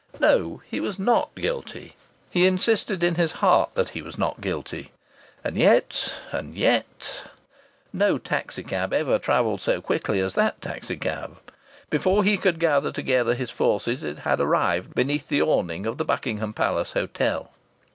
No, he was not guilty! He insisted in his heart that he was not guilty! And yet and yet No taxi cab ever travelled so quickly as that taxi cab. Before he could gather together his forces it had arrived beneath the awning of the Buckingham Palace Hotel.